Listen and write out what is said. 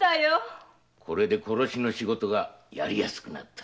これで殺しの仕事がやり易くなった。